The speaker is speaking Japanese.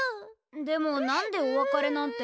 でもなんでおわかれなんて。